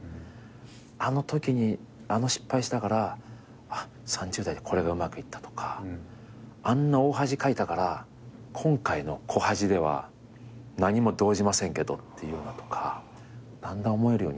あのときにあの失敗したから３０代でこれがうまくいったとかあんな大恥かいたから今回の小恥では何も動じませんけどっていうのとかだんだん思えるようになってきたかな。